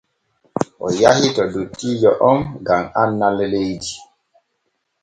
O yahi to dottiijo on gam annal leydi.